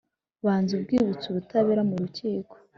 Banga uwibutsa ubutabera mu rukiko,